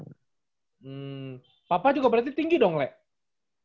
hmm papa juga berarti tinggi dong lek